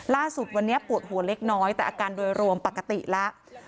ล่าสุดวันนี้ปวดหัวเล็กน้อยแต่อาการโดยรวมปกติแล้ว